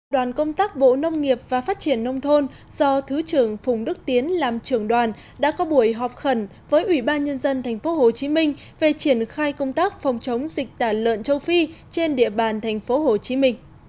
đoàn công tác bộ nông nghiệp và phát triển nông thôn do thứ trưởng phùng đức tiến làm trưởng đoàn đã có buổi họp khẩn với ủy ban nhân dân tp hcm về triển khai công tác phòng chống dịch tả lợn châu phi trên địa bàn tp hcm